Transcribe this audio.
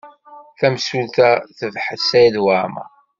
Tamsulta tebḥet Saɛid Waɛmaṛ.